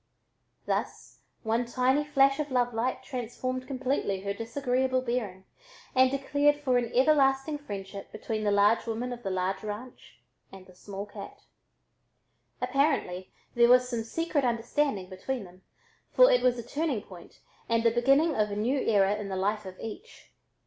Thus one tiny flash of love light transformed completely her disagreeable bearing and declared for an everlasting friendship between the large woman of the large ranch and the small cat. Apparently there was some secret understanding between them, for it was a turning point and the beginning of a new era in the life of each.